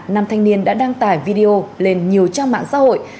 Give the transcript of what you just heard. nam thanh niên đã đăng tải video lên nhiều trang mạng xã hội